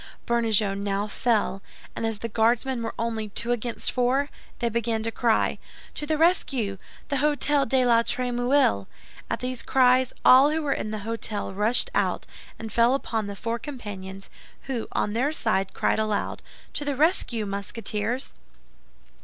Bernajoux now fell, and as the Guardsmen were only two against four, they began to cry, "To the rescue! The Hôtel de la Trémouille!" At these cries, all who were in the hôtel rushed out and fell upon the four companions, who on their side cried aloud, "To the rescue, Musketeers!"